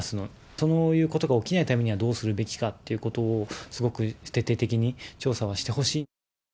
そういうことが起きないためにはどうするべきかっていうことを、すごく徹底的に調査はしてほしい。